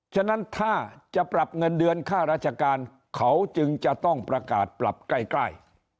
ฉะนั้นถ้าจะปรับเงินเดือนค่าราชการเขาจึงจะต้องประกาศปรับใกล้